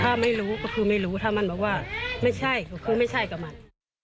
ถ้าไม่รู้ก็คือไม่รู้ถ้ามันบอกว่าไม่ใช่ก็คือไม่ใช่กับมัน